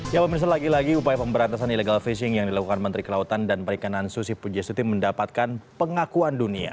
ya pemirsa lagi lagi upaya pemberantasan illegal fishing yang dilakukan menteri kelautan dan perikanan susi pujasuti mendapatkan pengakuan dunia